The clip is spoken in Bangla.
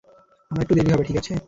আমার একটু দেরি হবে, ঠিক আছে?